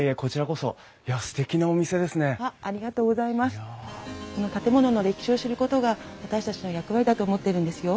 この建物の歴史を知ることが私たちの役割だと思ってるんですよ。